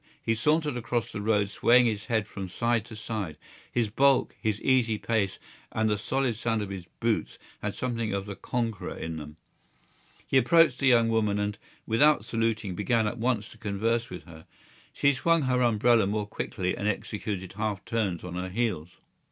He sauntered across the road swaying his head from side to side. His bulk, his easy pace, and the solid sound of his boots had something of the conqueror in them. He approached the young woman and, without saluting, began at once to converse with her. She swung her umbrella more quickly and executed half turns on her heels.